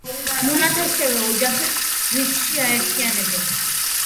მონათესავე ოჯახებს რიგში აერთიანებენ.